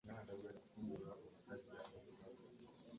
Alina amatu gamulinga ebiwoowa by'enyonyi.